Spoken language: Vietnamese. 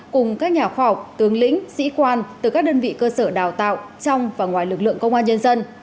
cùng các nhà khoa học tướng lĩnh sĩ quan từ các đơn vị cơ sở đào tạo trong và ngoài lực lượng công an nhân dân